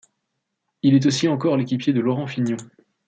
Il est aussi encore l'équipier de Laurent Fignon.